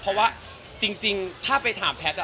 เพราะว่าจริงถ้าไปถามแพทย์